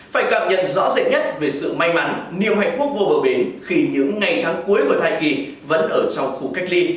phải cảm nhận rõ rệt nhất về sự may mắn niềm hạnh phúc vô bờ bến khi những ngày tháng cuối của thai kỳ vẫn ở trong khu cách ly